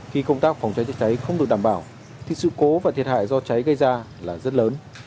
khi công tác phòng cháy chữa cháy không được đảm bảo thì sự cố và thiệt hại do cháy gây ra là rất lớn